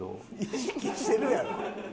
意識してるやろ。